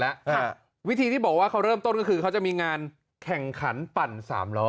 ครับวิธีที่บอกว่าเขาเริ่มต้นก็คือเขาจะมีงานแข่งขันปั่นสามล้อ